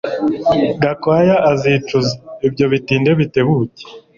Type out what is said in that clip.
Gakwaya azicuza ibyo bitinde bitebuke